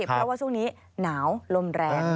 เพราะว่าช่วงนี้หนาวลมแรง